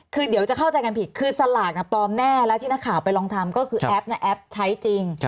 คือเดี๋ยวจะเข้าใจกันผิดคือสลากปลอมแน่แล้วที่นักข่าวไปลองทำก็คือแอปแอปใช้จริง